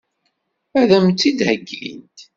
Ad m-tt-id-heggint?